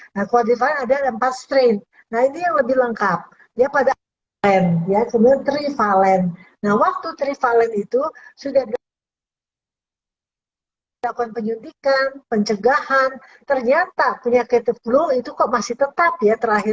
nah kuadrivalen ada empat strain